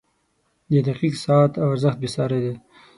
• د دقیق ساعت ارزښت بېساری دی.